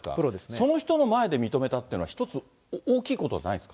その人の前で認めたっていうのは、一つ、大きいことじゃないですか。